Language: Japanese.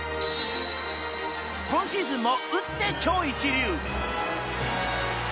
［今シーズンも打って超一流］